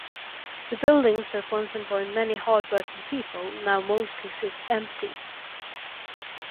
The buildings that once employed many hard-working people now mostly sit empty.